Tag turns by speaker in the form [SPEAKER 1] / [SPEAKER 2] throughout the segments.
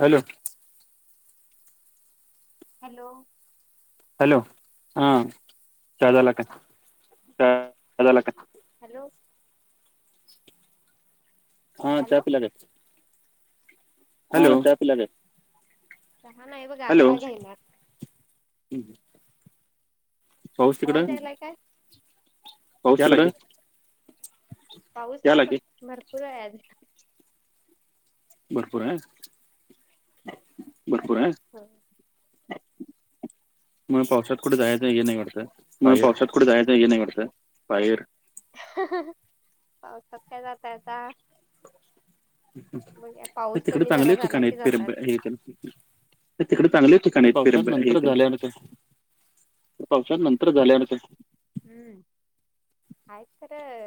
[SPEAKER 1] Hello.
[SPEAKER 2] Hello.
[SPEAKER 1] Hello हा चहा झाला काय.
[SPEAKER 2] चहा झाला काय.
[SPEAKER 1] हा चहा पिला काय.
[SPEAKER 2] हा
[SPEAKER 1] हॅलो
[SPEAKER 2] चहा पिला काय हॅलो.
[SPEAKER 1] ''हं'' हं ''
[SPEAKER 2] आवाज यायलाय काय.
[SPEAKER 1] याला की
[SPEAKER 2] पाऊस भरपूर आहे आज.
[SPEAKER 1] भरपूर आहे.
[SPEAKER 2] भरपूर आहे.
[SPEAKER 1] मग पावसात कुठे जायचं हे नाही वाटतं.
[SPEAKER 2] म
[SPEAKER 1] बाहेर
[SPEAKER 2] पावसात. कुठे जायचं की नाही वाटतं बाहेर. बघया पाऊस
[SPEAKER 1] तिकडे
[SPEAKER 2] कमी
[SPEAKER 1] चांगले
[SPEAKER 2] जरा झाला
[SPEAKER 1] ठिकाण
[SPEAKER 2] की
[SPEAKER 1] आहेत फिर
[SPEAKER 2] जातात.
[SPEAKER 1] हे ते
[SPEAKER 2] नाय तिकडे चांगले ठिकाण आहेत
[SPEAKER 1] पावसात
[SPEAKER 2] पेरबथ हे
[SPEAKER 1] नंतर
[SPEAKER 2] तेन.
[SPEAKER 1] झाल्यानंतर
[SPEAKER 2] पावसात नंतर झाल्या वाढतं. आहे खरं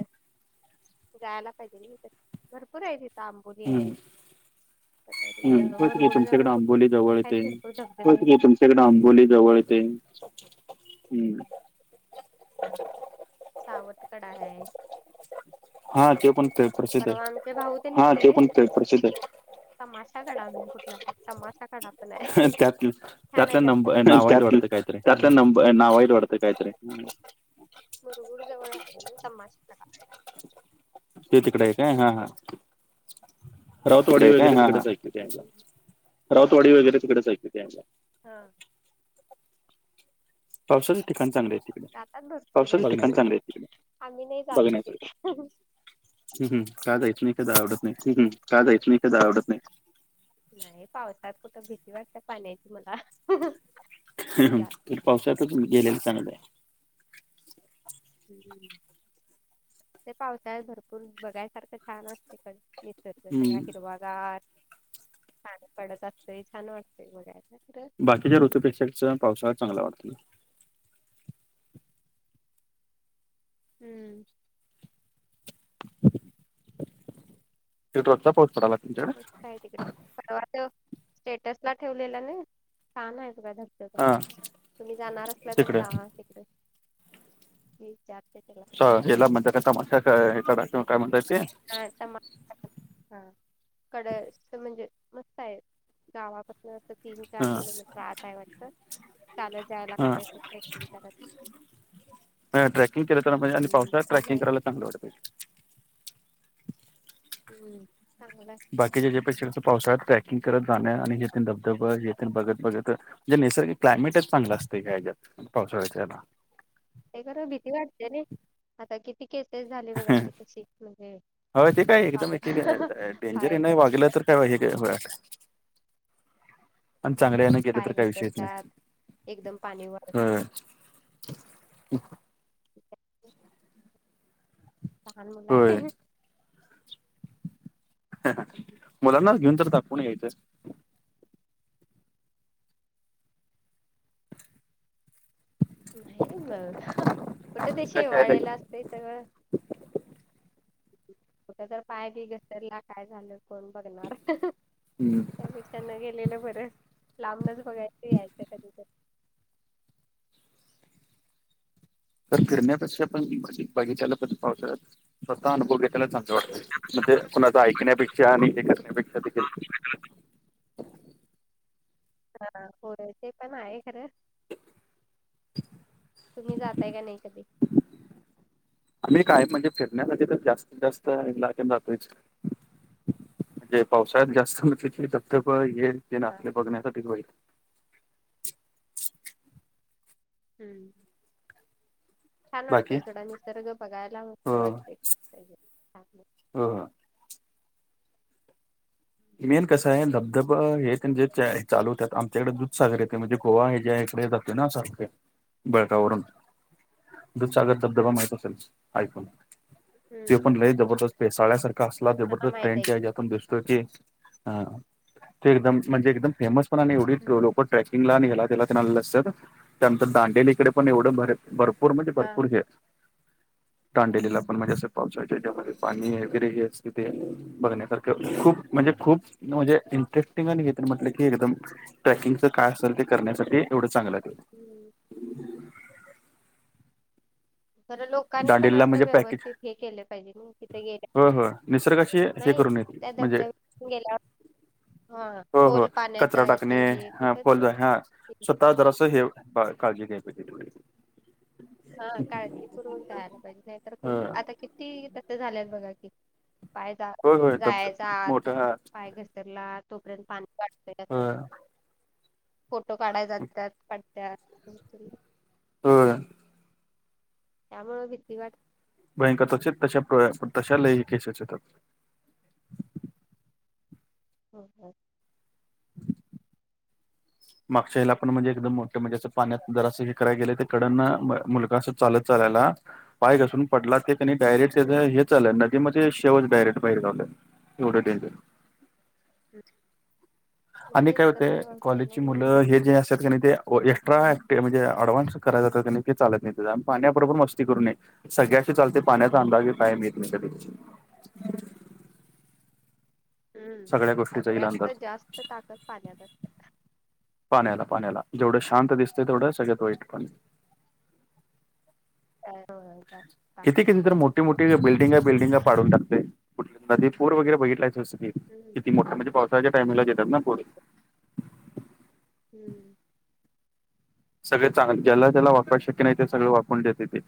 [SPEAKER 2] जायला पाहिजे ना तिथं. भरपूर आहे तिथं आंबोली
[SPEAKER 1] हो
[SPEAKER 2] आहे
[SPEAKER 1] तिकडे
[SPEAKER 2] मुरगुड जवळ
[SPEAKER 1] तुमच्याकडे
[SPEAKER 2] कुठले.
[SPEAKER 1] आंबोली जवळ येते
[SPEAKER 2] होय कि तुमच्याकडे
[SPEAKER 1] हम्म
[SPEAKER 2] आंबोली जवळच आहे. सावत कडा आहे.
[SPEAKER 1] हा ते पण ते प्रसिद्ध आहे.
[SPEAKER 2] [inaudible] त्यातली
[SPEAKER 1] त्यात त्यातल्या नंब नाव आहेत वाटतं काहीतरी
[SPEAKER 2] त्यातला नंबर. होय नाव हाईट वाडत काय तरी.
[SPEAKER 1] ते तिकडे आहे काय हा हा राऊतवाडी
[SPEAKER 2] आहे काय
[SPEAKER 1] वगैरे
[SPEAKER 2] हा हा
[SPEAKER 1] तिकडेच आहे की त्या ह्याच्या.
[SPEAKER 2] राऊतवाडी वगैरे तिकडे हाय की त्याला ह्याच्यात.
[SPEAKER 1] पावसाचे ठिकाण चांगले तिकडे
[SPEAKER 2] [unintelligible] पावसाची ठिकाण
[SPEAKER 1] बघण्यासारखे
[SPEAKER 2] चांगलं होईत तिथली, [unintelligible]
[SPEAKER 1] हम् हम्, का जायच नाही, [unintelligible] आवडत नाही.
[SPEAKER 2] हम्म का जायच मी [unintelligible] आवडत नाही. नाही पावसात कुठं भीती वाटते, पाण्याची मला.
[SPEAKER 1] तर पावसातच गेलेल चांगलं आहे.
[SPEAKER 2] हम्म! ते पावसाळ भरपूर बघायसारखं छान असत निसर्ग सगळा
[SPEAKER 1] हम्म
[SPEAKER 2] हिरवा छान, पाणी पडत असतय, छान वाटतय बघायला खर.
[SPEAKER 1] बाकीच्या ऋतूपेक्षाच पावसाळ चांगला वाटतोय.
[SPEAKER 2] हम्म!
[SPEAKER 1] [inaudible] [unintelligible] आत्ता पाऊस पडलाय.
[SPEAKER 2] मस्त आहे तिकडं, परवा तो स्टेटसला ठेवलेला नाही, छान आहे बघा ध
[SPEAKER 1] हा.
[SPEAKER 2] तुम्ही जाणार असला तर
[SPEAKER 1] तिकडे
[SPEAKER 2] जावा तिकड, मी विचारते तिला.
[SPEAKER 1] हेला म्हणत्यात काय [unintelligible] किंवा काय म्हणताय ते
[SPEAKER 2] हा, तमा हा, कड म्हणजे मस्त आहे गावापासून अस तीन चार
[SPEAKER 1] हा
[SPEAKER 2] किलोमीटर आत आहे वाटत, चालत जाय लागतय ट्रेकिंग करत.
[SPEAKER 1] ट्रकंग केलं तर म्हणजे, आणि पावसाळ्यात ट्रकिंगरायला चांगलं वाटतय.
[SPEAKER 2] हम्म! चांगलंय.
[SPEAKER 1] बाकीच्या [unintelligible] पेक्षा पाऊस आहे ट्रॅकिंग करत जाणं, आणि येथ धबधब येथ बघत बघत म्हणजे नैसर्गिक क्लायमेटच चांगला असतय, या ह्या ह्याच्यात पावसाळ्याच
[SPEAKER 2] ते खरं भीती वाटते नई, आता किती केसेस झाले बघा कि तशी म्हणजे
[SPEAKER 1] हो, ते काय एकदम एक डेंजर हे नाही वागलं तर काय हे पण चांगल्या यान गेलं तर काही विषयच नाही, होय. [inaudible]
[SPEAKER 2] [inaudible] लहान मुला आहे.
[SPEAKER 1] होय
[SPEAKER 2] [unintelligible]
[SPEAKER 1] मुलांनाच घेऊन तर दाखवून यायचं.
[SPEAKER 2] नाही, मग कुठ ते
[SPEAKER 1] का शाळेत
[SPEAKER 2] शेवाळेला असतय सगळं. कुठ तर पाय बी घसरला, काय झालं, कोण बघणार
[SPEAKER 1] हम्म
[SPEAKER 2] त्यापेक्षा त्यांना गेलेलं बरं, लांबनच बघायचं, यायचं कधी तर
[SPEAKER 1] तर फिरण्यापेक्षा पण बघितलेलं पण पावसाळ्यात, स्वतः अनुभव त्याला चांगल वाटतय, म्हणजे कुणाच ऐकण्यापेक्षा आणि हे करण्यापेक्षा देखील.
[SPEAKER 2] हा, होय ते पण आहे खरं. तुम्ही जाताय का नाही कधी?
[SPEAKER 1] आम्ही काय म्हणजे, फिरण्यासाठी तर जास्तीत जास्त [unintelligible] जातोयच. म्हणजे पावसाळ्यात जास्त म्हटल तर धबधब हे न ते बघण्यासाठी. [unintelligible]
[SPEAKER 2] हम्म! छान
[SPEAKER 1] बाकी
[SPEAKER 2] वाटतय सोडा, निसर्ग बघायला मस्त वाटतय, छान.
[SPEAKER 1] हम्म. मेन कसं आहे, धबधबा हे त्यांचे चालू होतात, आमच्याकडे दूधसागर येते, म्हणजे गोवा हे ज्या इकडे [unintelligible] बळकावरून दूध सागर धबधबा माहित असेल ऐकून, ते पण लय जबरदस्त पेसाळ्यासारख कसला जबरदस्त ट्रेंडच्या हेज्यातून दिसतो की. हा ते एकदमच म्हणजे एकदम फेमस पण आणि एवढी लोक ट्रेकिंगला आणि ह्याला त्याला न ते आलेली असत्यात त्यानंतर दांडेलीकडे पण एवढं भर भरपूर म्हणजे भरपूर हे आहेत दाडेलीला पण म्हणजे असं पावसाळ्याच्या याच्यामध्ये पाणी वगैरे हे असते ते बघण्यासारखं खूप म्हणजे खूप म्हणजे इंटरेस्टिंग आणि हेन तेन म्हटलं की एकदम ट्रॅकिंगच काय असेल ते करण्यासाठी एवढं चांगल हाय ते.
[SPEAKER 2] [unintelligible] खर लोकांनी पण
[SPEAKER 1] दांडेलीला
[SPEAKER 2] असं
[SPEAKER 1] म्हणजे पॅकेज
[SPEAKER 2] व्यवस्थित हे केलं पाहिजे ना तिथ गेल्या
[SPEAKER 1] हो हो निसर्गाशी हे
[SPEAKER 2] नाही.
[SPEAKER 1] करून येत
[SPEAKER 2] त्या
[SPEAKER 1] म्हणजे
[SPEAKER 2] धबधब्या गेल्या हा
[SPEAKER 1] हो हो
[SPEAKER 2] खोल पाण्यात
[SPEAKER 1] कचरा
[SPEAKER 2] जायचं हे कुठ तर
[SPEAKER 1] आता जरासं हे का -काळजी घ्याय पाहिजे.
[SPEAKER 2] हा काळजी पुरवक जायाला पाहिजे नायतर
[SPEAKER 1] ह
[SPEAKER 2] आता किती तस झाल्यात बघा की. पाय जा
[SPEAKER 1] होय होय तब
[SPEAKER 2] -जायचा आत
[SPEAKER 1] मोठा हा
[SPEAKER 2] पाय घसतरला तोपर्यंत पाणी वा
[SPEAKER 1] हा.
[SPEAKER 2] फोटो काढाय जातत्यात पडत्या.
[SPEAKER 1] होय.
[SPEAKER 2] त्यामुळं भीती वा
[SPEAKER 1] [inaudible] तशा लय केसेस येतात.
[SPEAKER 2] होय काय?
[SPEAKER 1] [inaudible] मागच्या ह्याला पण म्हणजे एकदम मोठे म्हणजे असं पाण्यात जर असं हे कराय गेलं ते कडंन मुलगा असं चालत चालायला पाय घसरून पडला ते त्यांनी डायरेक्ट त्याच हे झालं नदी मध्ये शेव डायरेक्ट बाहेर घावल एवढं डेंजर. आणि काय होतय कॉलेजची मुलं हे जे असत्यात क- नाय ते एक्स्ट्रा म्हणजे ॲडव्हान्स कराय जात ते चालत नाही त्या पाण्याबरोबर मस्ती करू नये. सगळ्याशी चालतय पाण्याचा अंदाज काय घेता येत नाय कधी.
[SPEAKER 2] हम्म
[SPEAKER 1] सगळ्या गोष्टीचा येईल
[SPEAKER 2] सगळ्यात
[SPEAKER 1] अंदाज
[SPEAKER 2] जास्त ताकद पाण्यात असतीया.
[SPEAKER 1] पाण्याला पाण्याला जेवढं शांत दिसतय तेवढं सगळ्यात वाईट पण. किती किती तर मो ठी मोठी बिल्डिंगा बिल्डिागा पाडून टाकतय कुठली नदी पूर वगैरे बघितलायसच की.
[SPEAKER 2] [unintelligible]
[SPEAKER 1] ती मोठ म्हणजे पावसाळ्याच्या टाईमलाच येतात ना पूर.
[SPEAKER 2] हम्.
[SPEAKER 1] सगळे चांगल ज्याला ज्याला वापरायच शक्य नाय ते सगळ वापरून देतय ते.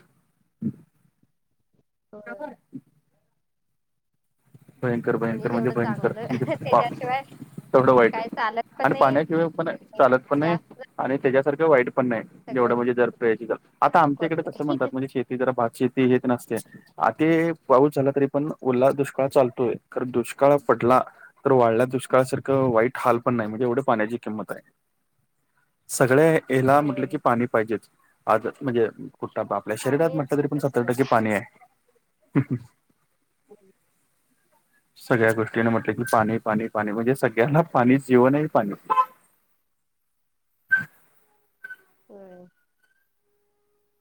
[SPEAKER 2] होय.
[SPEAKER 1] भयंकर भयंकर म्हणजे भयंकर म्हणजे बाप. येवढं वाईट आणि पाण्या शिवाय पण चालत पण नाय. आणि त्याच्यासारखं वाईट पण नाय जेवढं म्हणजे जर आता आमच्याकड कसं म्हणतात शे शेती भात शेती हेन ते असतीया आ ते पाऊस झाला तरी पण ओला दुष ष्काळ चालतोय खर दुष्काळ पडला खर वाल्या दुष्काळा सारखं वाईट हाल पण नाय म्हणजे एवढ पाण्याची किंमत हाय. सगळ्या ह्याला म्हटलं की पाणी पाहिजेच आज म्हणजे कुठ आता आपल्या शरीरात म्हटलं तरी पण सत्तर टक्के पाणी आहे.
[SPEAKER 2] [inaudible]
[SPEAKER 1] सगळ्या गोष्टीं म्हटले की पाणी पाणी पाणी म्हणजे सगळ्यांना पाणीच जीवण आहे पाणीच. ह [inaudible]
[SPEAKER 2] होय.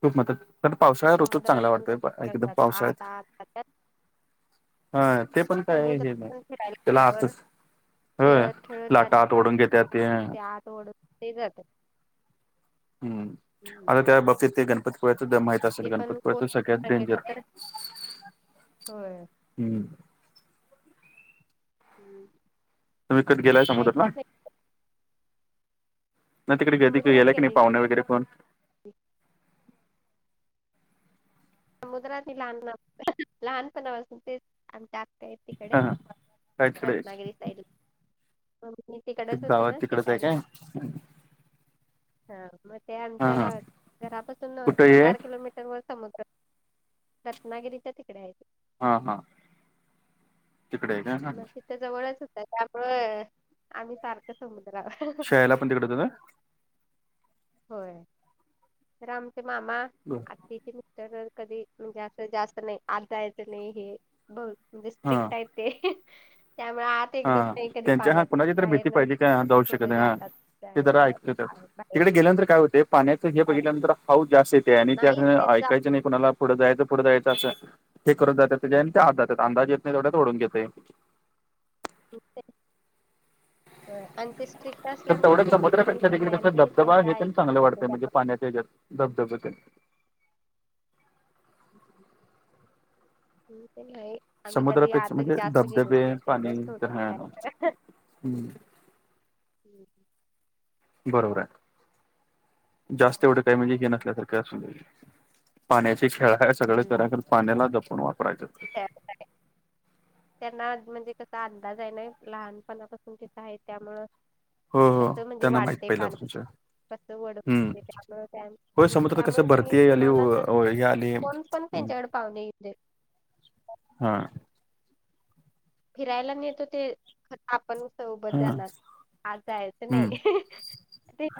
[SPEAKER 1] खूप म्हणतात. तर
[SPEAKER 2] ते
[SPEAKER 1] पावसाळा ऋतूच
[SPEAKER 2] समुद्रात
[SPEAKER 1] चांगला
[SPEAKER 2] पण
[SPEAKER 1] वाटतोय
[SPEAKER 2] तसच
[SPEAKER 1] एकदम
[SPEAKER 2] करतात आत
[SPEAKER 1] पावसाळ्यात
[SPEAKER 2] आत जात्यात.
[SPEAKER 1] हा ते पण काय
[SPEAKER 2] समुद्र
[SPEAKER 1] हे नाही
[SPEAKER 2] पण फिरायला
[SPEAKER 1] त्याला
[SPEAKER 2] गेल्यावर.
[SPEAKER 1] अर्थच होय
[SPEAKER 2] खेळत खेळत
[SPEAKER 1] लाटा
[SPEAKER 2] जातात आत
[SPEAKER 1] ओढून घेत्यात
[SPEAKER 2] ते
[SPEAKER 1] हम्म
[SPEAKER 2] आत ओढून घेतय जात्यात.
[SPEAKER 1] हम्म आता त्या बाबतीत ते गणपती. पोळ्याचं माहित असेल गणपतळत सगळ्यात डेंजर. हम्म.
[SPEAKER 2] हम.
[SPEAKER 1] तुम्ही कधी गेलाय समुद्रातला. नाही तिकडे गधला की नाही पाहुणे वगैरे कोण.
[SPEAKER 2] समुद्रात लहान लहानपणा असून तेच. आमची आत्या हाय तकडे
[SPEAKER 1] हा हा काय तिकडे
[SPEAKER 2] रत्नागिरी सैडला. म मी तिकडच होती
[SPEAKER 1] गावात
[SPEAKER 2] ना
[SPEAKER 1] तिकडच आहे
[SPEAKER 2] शिकायला.
[SPEAKER 1] काय
[SPEAKER 2] हा मग ते
[SPEAKER 1] हा हा
[SPEAKER 2] आमच्या घरापासून
[SPEAKER 1] कुठे हे
[SPEAKER 2] चार किलोमीटर वर समुद्र. रत्नागिरीच्या तिकडे आहे ते.
[SPEAKER 1] हा हा तिकडे आहे काय.
[SPEAKER 2] त्या जवळच होतं त्यामुळे आम्ही सारखं समुद्र वर.
[SPEAKER 1] आपण तिकडे जाऊया.
[SPEAKER 2] होय. रामचे मामा.
[SPEAKER 1] ''हं ''
[SPEAKER 2] त्याचे मिस्टर कधी म्हणजे असं जास्त नाही आत जायचं नाही हे. ब म्हणजे
[SPEAKER 1] हा
[SPEAKER 2] स्ट्रिक्ट आहे ते त्यामुळे आत.
[SPEAKER 1] हा त्यांच्या हा कुणाची तर भीती पाहिजे काय जाऊ शकत नाही हा ते जरा ऐकतो त्यात. तिकडे गेल्यानंतर काय होतेय पाण्याचं हे बघितल्यानंतर हाऊस जास्त येते आणि त्या ऐकायच नाही. कुणाला पुढं जायचं पुढं जायचं असं हे कर जात त्या ते जातात अंदाज येत नाही तेवढ्यात ओढून घेतेय.
[SPEAKER 2] [unintelligible] ते आणि ते
[SPEAKER 1] तर तेवढं समुद्र पेक्षा तिकडे कस बधबबा हे त्यां चांगलं वाटतंय म्हणजे पाण्यात्याच्यात. धबधबा तेन.
[SPEAKER 2] हम मी पण नाही. आम्ही कधी
[SPEAKER 1] समुद्रापेक्षा
[SPEAKER 2] आता
[SPEAKER 1] म्हणजे
[SPEAKER 2] जास्त गेलोच
[SPEAKER 1] धबधबे
[SPEAKER 2] नाही तेवढंच
[SPEAKER 1] पाणी तर
[SPEAKER 2] थोडं
[SPEAKER 1] हा
[SPEAKER 2] फार जरा. हम्म.
[SPEAKER 1] बरोबर आहे जास्त एवढं काय म्हणजे हे नसल्यास सारखं. क्या सु गेली पाण्याचे खेळा ह सगळे करा पाण्याला जपून वापरायचे.
[SPEAKER 2] हा [inaudible] त्यांना आज म्हणजे कसा अंदाज आहे ना लहानपणापासून तिथं आहे त्यामुळं.
[SPEAKER 1] हो हो
[SPEAKER 2] कस म्हणजे
[SPEAKER 1] त्यांना माहित
[SPEAKER 2] वाढते पाणी.
[SPEAKER 1] पहिल्यापासूनच्या
[SPEAKER 2] कस
[SPEAKER 1] हम्म
[SPEAKER 2] वडतय त्यामुळे
[SPEAKER 1] होय समुद्रात
[SPEAKER 2] त्यामुळे
[SPEAKER 1] कसं
[SPEAKER 2] त्यांनी
[SPEAKER 1] भरती आली
[SPEAKER 2] कुणाला तर
[SPEAKER 1] हे आली
[SPEAKER 2] कोण पण त्यांच्याकडे पावन येत्यात.
[SPEAKER 1] हा,
[SPEAKER 2] फिरायला नेत होते खर आपण सोबत
[SPEAKER 1] हा
[SPEAKER 2] जाणार आत आजयचं
[SPEAKER 1] हम्म
[SPEAKER 2] नाही.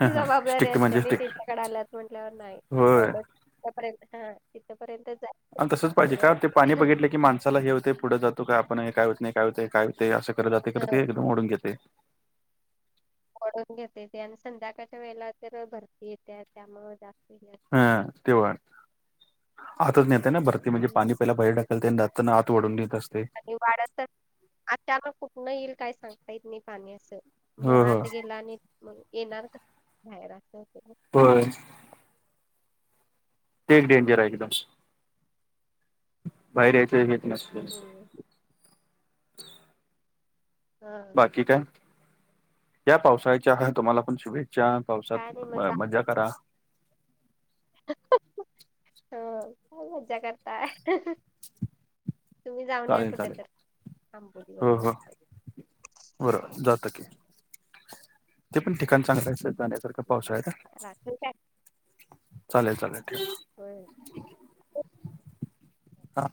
[SPEAKER 1] ह हा
[SPEAKER 2] जबाबदारी
[SPEAKER 1] स्ट्रिक्ट म्हणजे
[SPEAKER 2] असतेनी
[SPEAKER 1] स्ट्रिक्ट
[SPEAKER 2] त्यांच्याकडे आल्यात म्हटल्यावर नाही
[SPEAKER 1] होय
[SPEAKER 2] एवढंच. तिथंर्यंत हा तिथपर्यंतचाय.
[SPEAKER 1] आणि तसंच पाहिजे. का ते पाणी बघितलं की माणसाला हे होते पुढे जातो काय आपण हे काय होत नाही. काय होतेय काय होतेय असं कर जाते. ते एकदम ओढून घेतय.
[SPEAKER 2] ओढून घेतय ते. आणि संध्याकाळच्या वेळेला तर भरती येतीया त्यामुळे जा
[SPEAKER 1] हा तेव्हा. आतुनेतयना भरती म्हणजे पाणी पेयला पर्यटक [unintelligible] आत वढून नेत असत
[SPEAKER 2] आणि वाढतच आचानक कुठनं येईल काय सांगता येत नाही पाण्याचं. म
[SPEAKER 1] हो हो
[SPEAKER 2] आत गेला आणि म येणार का? बाहेर असं होत ना.
[SPEAKER 1] होय. ते एक डेंजर आहे एकदम. बाहेर यायच घेत न
[SPEAKER 2] ह.
[SPEAKER 1] ठीके. या पावसाळ्याच्या ह तुम्हाला पण शुभेच्छा. पावसात म मजा करा.
[SPEAKER 2] हो काय मज्जा करताय. तुम्ही जाऊन या
[SPEAKER 1] चालेल
[SPEAKER 2] कुठं
[SPEAKER 1] चालेल
[SPEAKER 2] त. आंबोली वगैरे
[SPEAKER 1] बरं जातो की, ते पण ठिकाण चांगलं अस जाण्यासारखं. पाऊस हाये का? चालेल चालेल ठेव.
[SPEAKER 2] होय.
[SPEAKER 1] हा